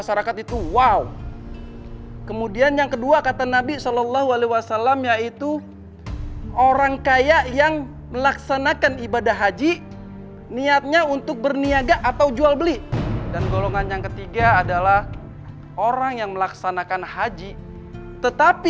semoga kita semua terhindar dari orang orang yang demikian